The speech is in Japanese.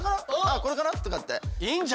これかな？とかって。